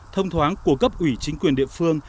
thông thoáng của cấp ủy chính quyền địa phương